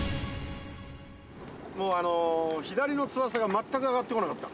もうあの左の翼が全く上がってこなかった。